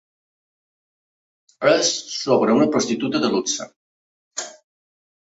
És sobre una prostituta de luxe.